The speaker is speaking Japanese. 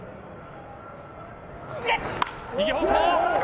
右方向。